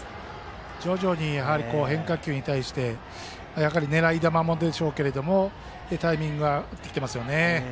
徐々に変化球に対して狙い球でしょうけどタイミングが合ってきていますね。